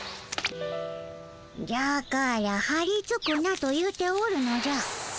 じゃからはりつくなと言うておるのじゃ。